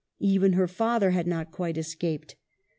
Even her father had not quite escaped.